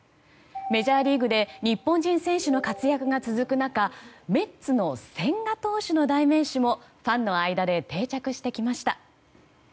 メジャーリーグで日本人選手の活躍が続く中メッツの千賀投手の代名詞もファンの間で定着してきました。